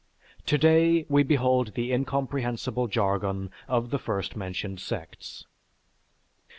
Today we behold the incomprehensible jargon of the first mentioned sects.